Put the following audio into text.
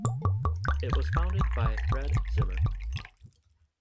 It was founded by Fred Zimmer.